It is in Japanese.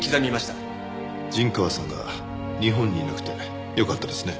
陣川さんが日本にいなくてよかったですね。